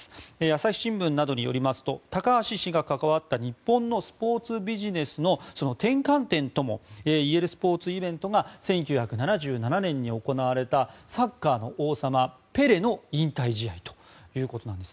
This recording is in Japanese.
朝日新聞などによりますと高橋氏が関わった日本のスポーツビジネスのその転換点ともいえるスポーツイベントが１９７７年に行われたサッカーの王様ペレの引退試合ということです。